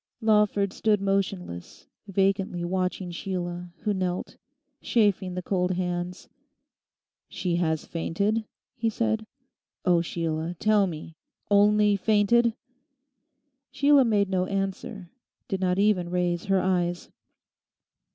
Lawford stood motionless, vacantly watching Sheila, who knelt, chafing the cold hands. 'She has fainted?' he said; 'oh, Sheila, tell me—only fainted?' Sheila made no answer; did not even raise her eyes.